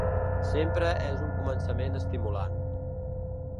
Sempre és un començament estimulant.